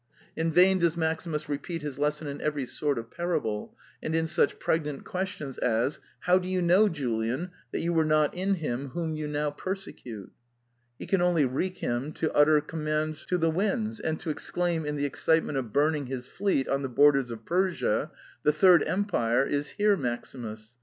In vain does Maximus repeat his lesson in every sort of parable, and in such pregnant questions as '' How do you know, Julian, that you were not in him whom you now perse cute?" He can only wreak him to utter com mands to the winds, and to exclaim, in the ex citement of burning his fleet on the borders of Persia, *' The third empire is here, Maximus.